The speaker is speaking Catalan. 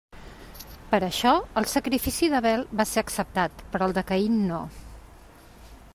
Per això, el sacrifici d'Abel va ser acceptat, però el de Caín no.